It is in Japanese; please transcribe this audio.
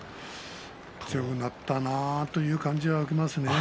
強くなったなという感じは受けますね。